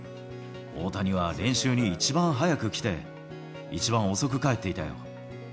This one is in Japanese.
大谷は練習に一番早く来て、一番遅く帰っていたよ。